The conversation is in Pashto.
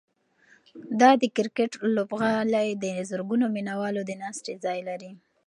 دا د کرکټ لوبغالی د زرګونو مینه والو د ناستې ځای لري.